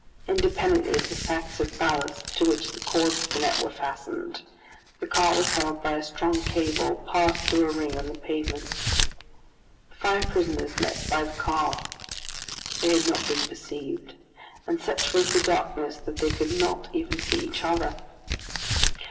Independently of the sacks of ballast, to which the cords of the net were fastened, the car was held by a strong cable passed through a ring in the pavement. The five prisoners met by the car. They had not been perceived, and such was the darkness that they could not even see each other.